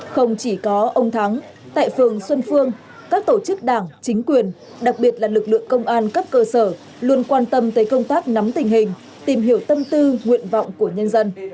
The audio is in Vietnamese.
không chỉ có ông thắng tại phường xuân phương các tổ chức đảng chính quyền đặc biệt là lực lượng công an cấp cơ sở luôn quan tâm tới công tác nắm tình hình tìm hiểu tâm tư nguyện vọng của nhân dân